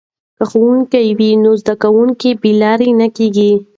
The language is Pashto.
که ښوونکی وي نو زده کوونکي بې لارې نه کیږي.